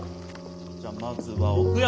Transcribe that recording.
じゃまずは奥山。